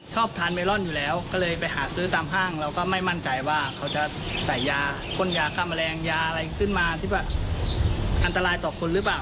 ชอบทานเมลอนอยู่แล้วก็เลยไปหาซื้อตามห้างเราก็ไม่มั่นใจว่าเขาจะใส่ยาพ่นยาฆ่าแมลงยาอะไรขึ้นมาคิดว่าอันตรายต่อคนหรือเปล่า